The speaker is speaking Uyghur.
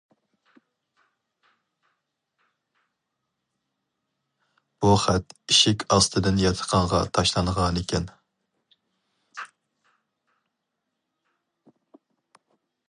بۇ خەت ئىشىك ئاستىدىن ياتىقىڭغا تاشلانغانىكەن.